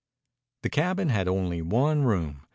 The cabin had only one room.